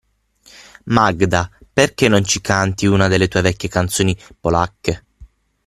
Magda, perché non ci canti una delle tue vecchie canzoni polacche?